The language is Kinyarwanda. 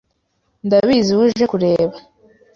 ndabizi uwo uje kureba